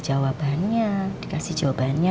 jawabannya dikasih jawabannya